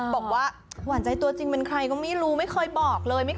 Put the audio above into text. บอกว่าหวานใจตัวจริงเป็นใครก็ไม่รู้ไม่เคยบอกเลย